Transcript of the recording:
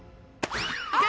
あ！